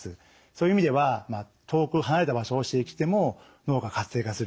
そういう意味では遠く離れた場所を刺激しても脳が活性化する。